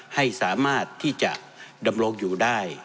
ให้สามารถที่จะดำรงอยู่ได้